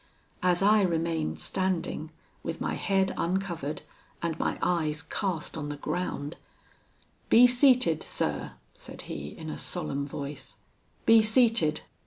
"As I remained standing, with my head uncovered, and my eyes cast on the ground, 'Be seated, sir,' said he in a solemn voice; 'be seated.